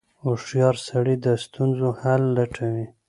• هوښیار سړی د ستونزو حل لټوي.